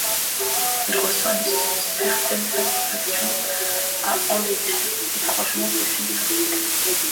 Il ressent une certaine satisfaction à enlaidir étrangement ses figures.